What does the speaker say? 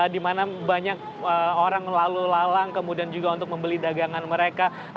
di mana banyak orang lalu lalang kemudian juga untuk membeli dagangan mereka